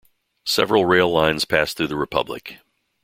Several rail lines pass through the republic.